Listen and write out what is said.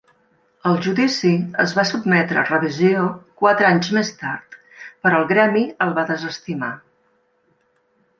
El judici es va sotmetre a revisió quatre anys més tard, però el gremi el va desestimar.